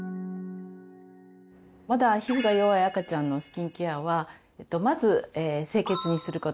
まだ皮膚が弱い赤ちゃんのスキンケアはまず清潔にすること。